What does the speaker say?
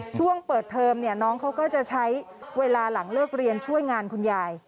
ช่วงเปิดเทอมเนี่ยน้องเขาก็จะใช้เวลาหลังเลิกเรียนช่วยงานคุณยาย